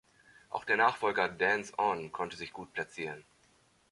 Auch der Nachfolger "Dance On" konnte sich gut platzieren.